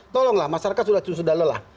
tolonglah masyarakat sudah lelah